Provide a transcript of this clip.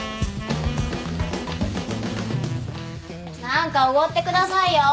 何かおごってくださいよ。